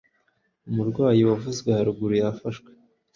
umurwanyi wavuzwe haruguru yafashwe